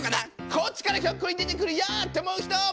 こっちからひょっこり出てくるよって思う人！